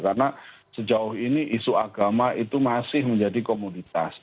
karena sejauh ini isu agama itu masih menjadi komoditas